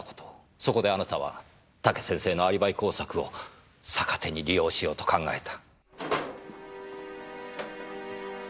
そこであなたは武先生のアリバイ工作を逆手に利用しようと考えた。